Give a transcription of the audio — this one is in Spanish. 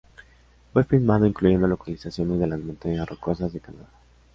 Fue filmado incluyendo localizaciones de las Montañas Rocosas de Canadá.